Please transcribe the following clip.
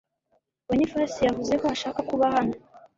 Bonifasi yavuze ko ashaka kuba hano .